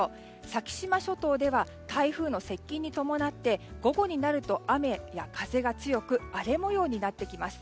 先島諸島では台風の接近に伴って午後になると雨や風が強く荒れ模様になってきます。